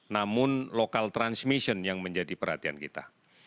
namun local transmission yang menjadi perhatian kita